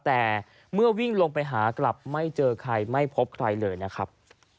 แต่เมื่อวิ่งลงไปหากลับไม่เจอใครไม่พบใครเลยนะครับ